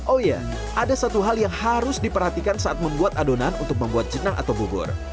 oh ya ada satu hal yang harus diperhatikan saat membuat adonan untuk membuat jenang atau bubur